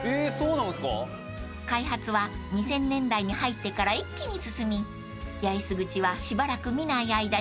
［開発は２０００年代に入ってから一気に進み八重洲口はしばらく見ない間に激変］